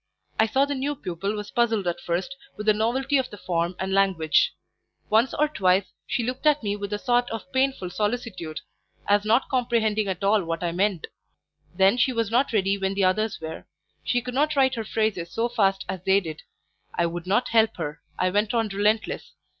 I saw the new pupil was puzzled at first with the novelty of the form and language; once or twice she looked at me with a sort of painful solicitude, as not comprehending at all what I meant; then she was not ready when the others were, she could not write her phrases so fast as they did; I would not help her, I went on relentless.